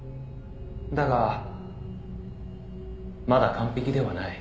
「だがまだ完璧ではない」